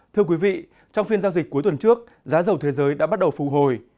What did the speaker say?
thưa quý vị trong phiên giao dịch cuối tuần trước giá dầu thế giới đã bắt đầu phụ hồi